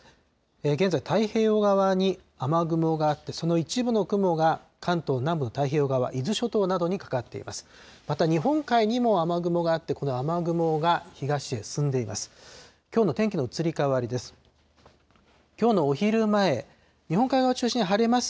現在、太平洋側に雨雲があって、その一部の雲が関東南部の太平洋側、伊豆諸島などにかかっています。